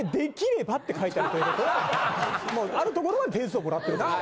あるところは点数をもらってる。